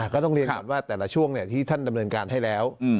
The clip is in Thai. ก็ต้องเรียนก่อนว่าแต่ละช่วงที่ท่านดำเนินการให้แล้ว